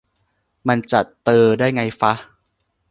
มันจะ "เตอ" ได้ไงฟะ